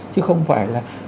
chứ không phải là